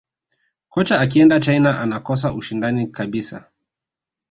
kocha akienda china anakosa ushindani kabisa